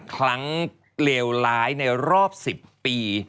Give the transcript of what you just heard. ครั้งเลวร้ายในรอบ๑๐ปี